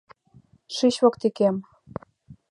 — Шич воктекем.